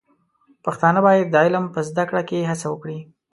پښتانه بايد د علم په زده کړه کې هڅه وکړي.